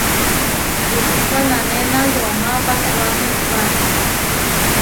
Rupíta nanéna yomá pasawáme iʼwá.